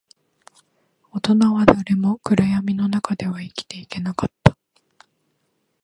大人は誰も暗闇の中では生きていけなかった